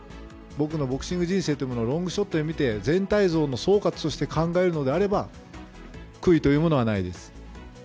僕のボクシング人生というものをロングショットで見て、全体像の総括として考えるのであれば、悔いというものはないです。